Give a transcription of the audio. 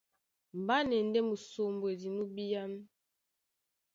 Mbá na e ndé musombwedi nú bíán.